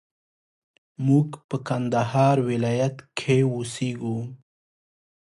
موږ په کندهار ولايت کښي اوسېږو